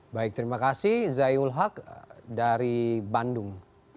baik terima kasih zayul haq dari bandung